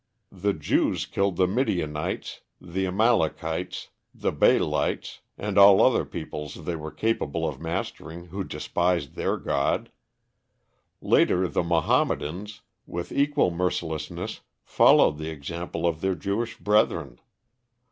The Jews killed the Midianites, the Amalakites, the Baalites, and all other peoples they were capable of mastering who despised their god. Later, the Mahommedans with equal mercilessness followed the example of their Jewish brethren.